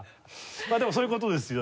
まあでもそういう事ですよ。